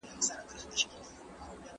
مسافرو وو خپل مرګ داسي هېر کړی